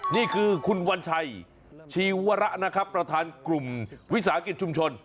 นี่คือคุณวัญชัยชีวระนะครับประธานกลุ่มวิสาหกิจชุมชน